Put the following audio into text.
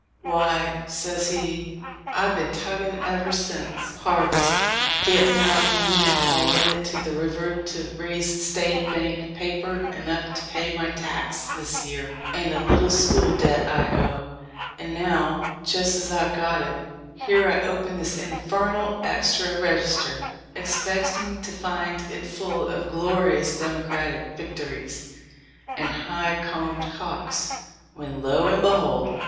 "Why," says he, "I've been tugging ever since 234 THE LIFE 0F LINCOLN. harvest, getting out wheat and hauling it to the river to raise State Bank paper enough to pay my tax this year and a little school debt I owe ; and now, just as I've got it, here I open this infernal Extra Register, expecting to find it full of 'Glo rious Democratic Victories' and 'High Comb'd Cocks,' when, lo and behold